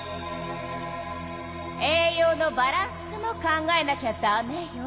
栄養のバランスも考えなきゃダメよ。